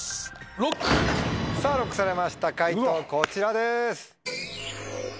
ＬＯＣＫされました解答こちらです。